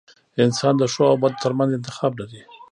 • انسان د ښو او بدو ترمنځ انتخاب لري.